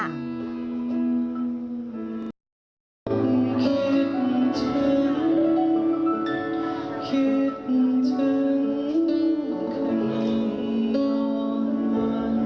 อีกกี่วันจะได้ส่งใจอีกเมื่อไรจะได้พบกัน